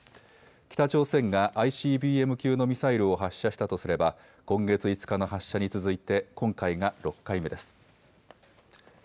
北朝鮮がＩＣＢＭ級のミサイルを発射したとすれば今月５日の発射に続いて今回が６回目です。